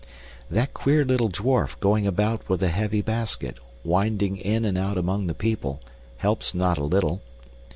That queer little dwarf going about with a heavy basket, winding in and out among the people, helps not a little.